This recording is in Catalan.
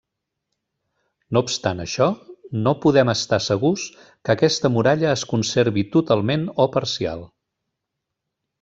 No obstant això, no podem estar segurs que aquesta muralla es conservi totalment o parcial.